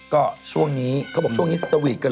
ก็ช่วงนี้เขาบอกช่วงนี้สตรีตกันเหลือเกิน